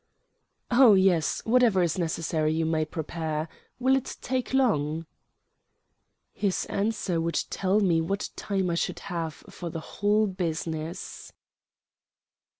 "Oh, yes; whatever is necessary you may prepare. Will it take long?" His answer would tell me what time I should have for the whole business.